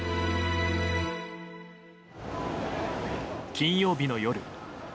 金曜日の夜。